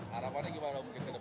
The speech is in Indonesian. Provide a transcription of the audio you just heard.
harapan ke depannya